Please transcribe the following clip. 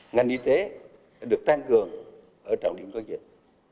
ngành y tế được tăng cường ở trọng điểm coi dịch